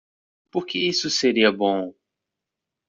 Por que isso seria bom?